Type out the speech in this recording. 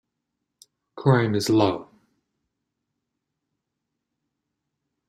Crime is low.